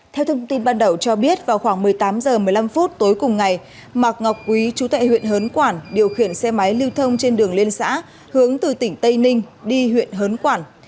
theo thông tin ban đầu cho biết vào khoảng một mươi tám h một mươi năm tối cùng ngày mạc ngọc quý chú tệ huyện hớn quản điều khiển xe máy lưu thông trên đường liên xã hướng từ tỉnh tây ninh đi huyện hớn quản